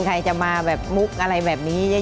ใครจะมาแบบมุกอะไรแบบนี้เยอะ